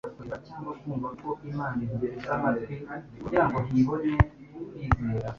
Nta mpamvu zo gutinya urwango rw'Abayuda cyangwa abatware b'abaroma.